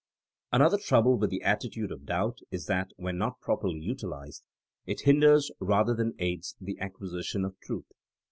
Another trouble with the attitude of doubt is that when not properly utilized it hinders rather than aids the acquisition of truth.